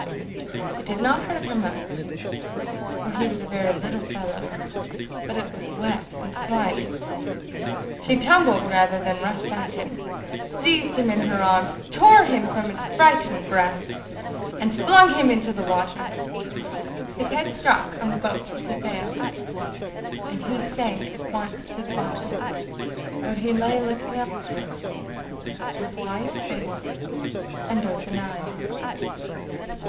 It did not hurt her much, for he was a very little fellow, but it was wet and slimy. She tumbled rather than rushed at him, seized him in her arms, tore him from his frightened grasp, and flung him into the water. His head struck on the boat as he fell, and he sank at once to the bottom, where he lay looking up at her with white face and open eyes.